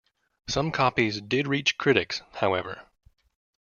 Some copies did reach critics, however.